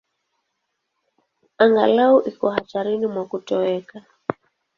Angalau iko hatarini mwa kutoweka.